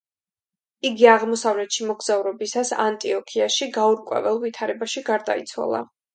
იგი აღმოსავლეთში მოგზაურობისას, ანტიოქიაში გაურკვეველ ვითარებაში გარდაიცვალა.